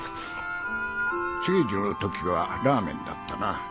聖司の時はラーメンだったな。